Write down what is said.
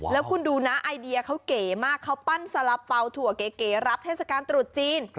แล้วคุณดูนะไอเดียเขาเก๋มากเขาปั้นสารเป๋าถั่วเก๋รับเทศกาลตรุษจีน